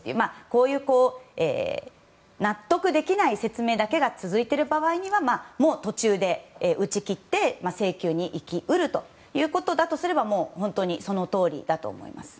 こういう納得できない説明だけが続いている場合にはもう途中で打ち切って請求に生き得るということだとすればもう、本当にそのとおりだと思います。